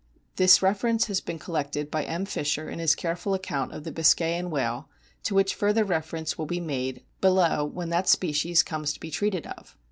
This reference has been collected by M. Fischer in his careful account of the Biscayan whale, to which further reference will be made below when that species comes to be treated of.